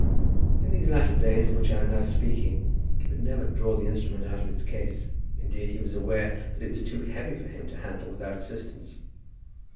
In these latter days of which I am now speaking he would never draw the instrument out of its case. Indeed he was aware that it was too heavy for him to handle without assistance.